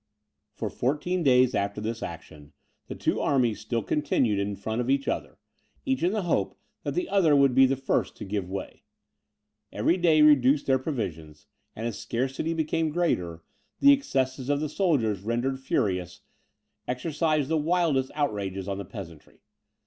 For fourteen days after this action, the two armies still continued in front of each other, each in the hope that the other would be the first to give way. Every day reduced their provisions, and as scarcity became greater, the excesses of the soldiers rendered furious, exercised the wildest outrages on the peasantry.